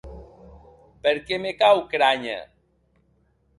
Per qué me cau crànher?